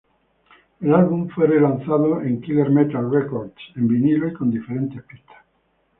El álbum fue re-lanzado en Killer Metal Records en vinilo y con diferentes pistas.